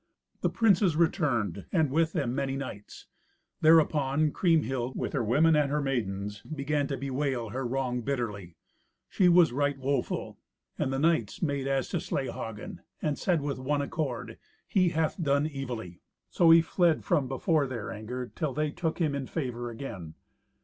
The princes returned, and with them many knights. Thereupon Kriemhild, with her women and her maidens, began to bewail her wrong bitterly. She was right woeful. And the knights made as to slay Hagen, and said with one accord, "He hath done evilly." So he fled from before their anger till they took him in favour again.